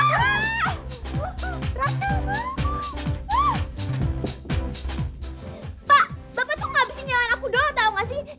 pak bapak tuh nggak bisa nyalain aku doang tau nggak sih